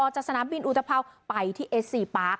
จากสนามบินอุตภัวร์ไปที่เอสซีปาร์ค